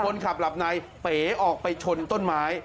คนขับหลับในเป๋ออกไปชนต้นไม้